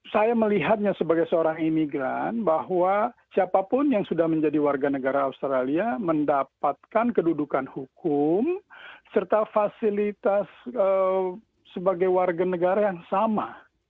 saya melihatnya sebagai seorang imigran bahwa siapapun yang sudah menjadi warga negara australia mendapatkan kedudukan hukum serta fasilitas sebagai warga negara yang sama